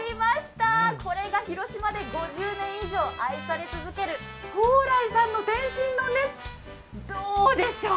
これが広島で５０年以上愛され続ける蓬莱さんの天津丼です。